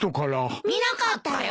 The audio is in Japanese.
見なかったよ。